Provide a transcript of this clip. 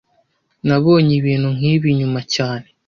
Nabonye ibintu nkibi nyuma cyane